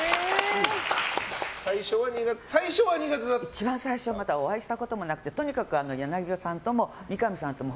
一番最初まだお会いしたこともなくてとにかく柳葉さんとも三上さんとも